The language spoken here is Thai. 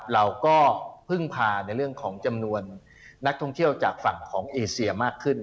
เราก็พึ่งพาในเรื่องของจำนวนนักท่องเที่ยวจากฝั่งของเอเซียมากขึ้น